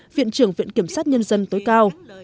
viện trưởng viện kiểm sát nhân dân tối cao